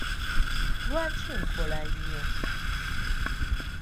Lwaki nkola nnyo?